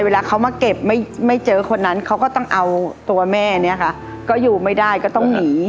เวลาเขามาเก็บไม่เจอคนนั้นเขาก็ต้องเอาตัวแม่เนี่ยค่ะก็อยู่ไม่ได้ก็ต้องหนี